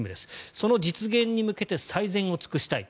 その実現に向けて最善を尽くしたい。